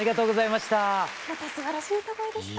またすばらしい歌声でしたね。